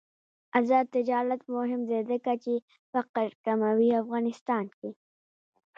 آزاد تجارت مهم دی ځکه چې فقر کموي افغانستان کې.